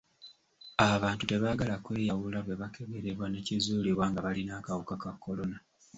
Abantu tebaagala kweyawula bwe bakeberebwa ne kizuulibwa nga balina akawuka ka kolona.